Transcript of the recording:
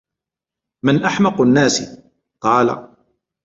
مَنْ أَحْمَقُ النَّاسِ ؟ قَالَ